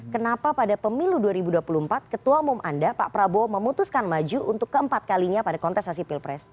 kenapa pada pemilu dua ribu dua puluh empat ketua umum anda pak prabowo memutuskan maju untuk keempat kalinya pada kontestasi pilpres